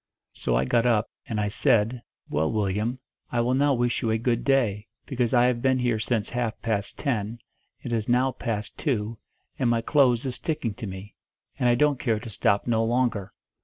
So I got up, and I said, 'Well, Willyum, I will now wish you a good day; because I have been here since half past ten, and it is now past two, and my clothes is sticking to me, and I don't care to stop no longer.'